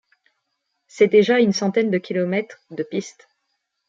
C'est déjà une centaine de km de piste.